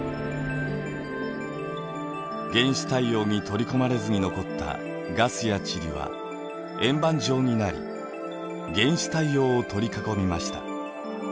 原始太陽に取り込まれずに残ったガスや塵は円盤状になり原始太陽を取り囲みました。